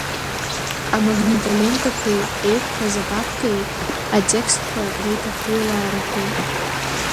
Амагнитолентақәеи, еиқәхаз апапкеи, атекстқәа реиҭахҩылаарақәеи.